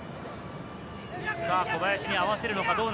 小林に合わせるのか？